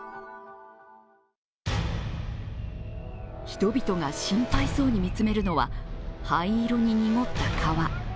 人々が心配そうに見つめるのは灰色に濁った川。